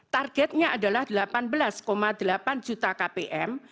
targetnya adalah delapan belas delapan juta kpm